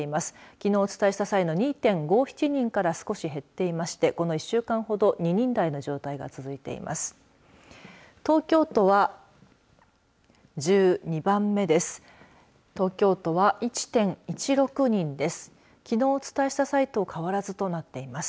きのうお伝えした際の２．５７人から少し減っていましてこの１週間ほど２人台の状態が続いてます。